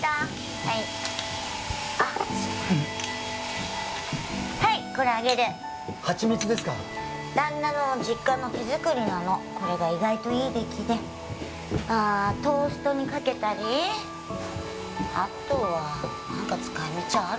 はいはいこれあげる蜂蜜ですか旦那の実家の手作りなのこれが意外といい出来でトーストにかけたりあとは何か使い道ある？